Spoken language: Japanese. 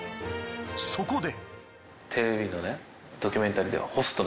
そこで。